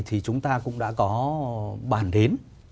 thì chúng ta cũng đã có bản đến